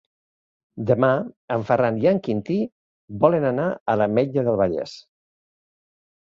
Demà en Ferran i en Quintí volen anar a l'Ametlla del Vallès.